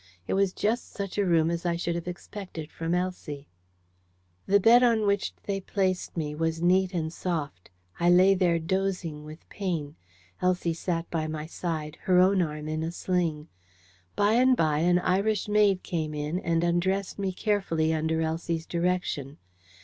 It was just such a room as I should have expected from Elsie. The bed on which they placed me was neat and soft. I lay there dozing with pain. Elsie sat by my side, her own arm in a sling. By and by, an Irish maid came in and undressed me carefully under Elsie's direction.